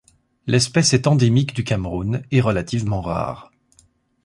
L'espèce est endémique du Cameroun et relativement rare.